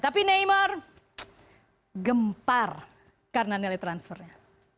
tapi neymar gempar karena nilai transfernya